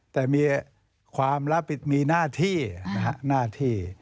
แต่มีความลับมีหน้าที่